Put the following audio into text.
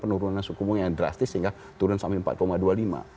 penurunan suku bunga yang drastis sehingga turun sampai empat dua puluh lima